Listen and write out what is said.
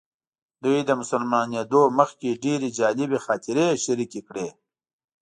دوی د مسلمانېدو مخکې ډېرې جالبې خاطرې شریکې کړې.